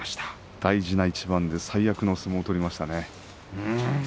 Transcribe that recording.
大事な一番で最悪の相撲を取りましたね。